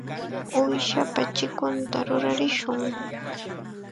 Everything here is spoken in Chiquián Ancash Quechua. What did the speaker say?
Uushapa chikunta rurarishun.